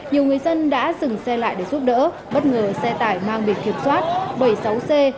nhiều người dân đã dừng xe lại để giúp đỡ bất ngờ xe tải mang việc kiểm soát bảy mươi sáu c một mươi nghìn một trăm chín mươi bốn